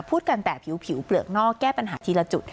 พูดกันแต่ผิวเปลือกนอกแก้ปัญหาทีละจุด